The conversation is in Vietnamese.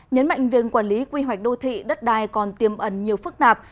nhấn mạnh viên quản lý quy hoạch đô thị đất đai còn tiêm ẩn nhiều phức tạp